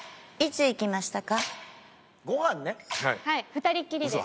２人っきりで。